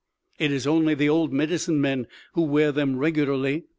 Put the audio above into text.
_] "It is only the old medicine men who wear them regularly.